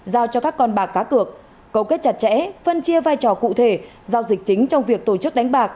giao cho các con bạc cá cược cấu kết chặt chẽ phân chia vai trò cụ thể giao dịch chính trong việc tổ chức đánh bạc